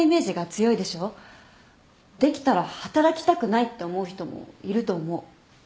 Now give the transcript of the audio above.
できたら働きたくないって思う人もいると思う。